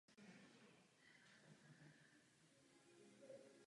V době jeho panování byla Anglie centrem říše zahrnující i Dánsko a Norsko.